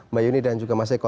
mbak yuni dan juga mas eko